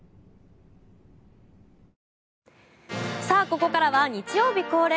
ここからは日曜日恒例